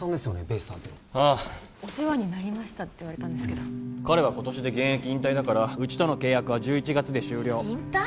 ベイスターズのああお世話になりましたって言われたんですけど彼は今年で現役引退だからうちとの契約は１１月で終了引退？